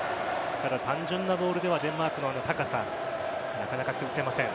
ただ、単純なボールではデンマークの高さなかなか崩せません。